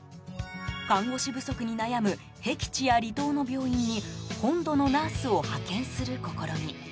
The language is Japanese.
看護師不足に悩むへき地や離島の病院に本土のナースを派遣する試み。